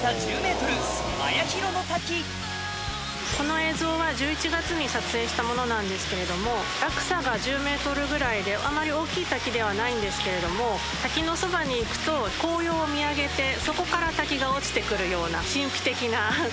この映像は１１月に撮影したものなんですけれども落差が１０ｍぐらいであんまり大きい滝ではないんですけれども滝のそばに行くと紅葉を見上げてそこから滝が落ちて来るような。